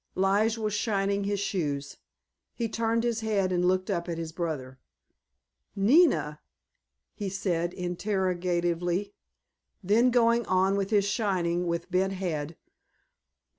Lige was shining his shoes. He turned his head and looked up at his brother. "Nina?" he said interrogatively, then going on with his shining with bent head.